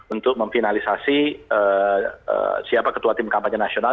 untuk memfinalisasi siapa ketua tim kampanye nasional